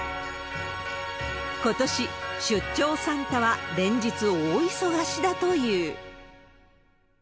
ことし、出張サンタは連日大忙しだという。